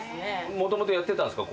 もともとやってたんすか？